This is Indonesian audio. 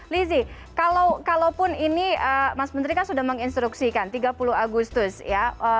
lizzie kalaupun ini mas menteri kan sudah menginstruksikan tiga puluh agustus ya